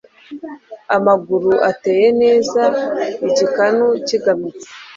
amaguru ateye neza, igikanu kigamitse.